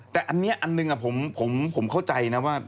แต่อันนี้อันหนึ่งผมเข้าใจนะว่า